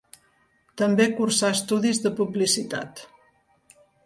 També cursà estudis de publicitat.